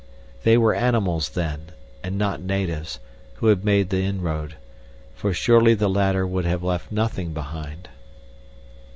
They were animals, then, and not natives, who had made the inroad, for surely the latter would have left nothing behind.